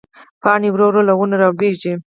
پاڼې ورو ورو له ونو رالوېږي